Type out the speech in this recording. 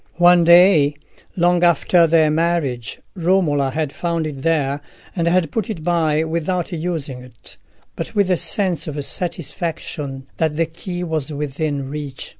One day, long after their marriage, Romola had found it there, and had put it by, without using it, but with a sense of satisfaction that the key was within reach.